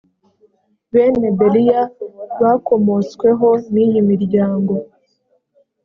bene beriya bakomotsweho n iyi miryango